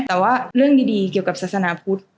แต่ว่าเรื่องดีเกี่ยวกับศาสนาพุทธ